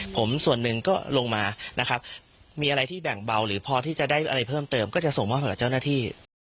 ผมส่วนหนึ่งก็ลงมานะครับมีอะไรที่แบ่งเบาหรือพอที่จะได้อะไรเพิ่มเติมก็จะส่งมอบเผื่อเจ้าหน้าที่